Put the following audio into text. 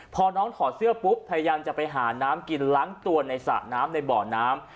พอน้องถอดเสื้อปุ๊บพยายามจะไปหาน้ำกินล้างตัวในสระน้ำในบ่อน้ำ